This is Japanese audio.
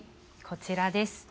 こちらです。